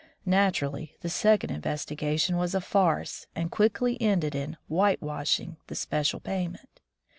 Naturally, the second investigation was a farce and quickly ended in "white washing" the special payment.